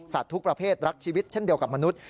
ทุกประเภทรักชีวิตเช่นเดียวกับมนุษย์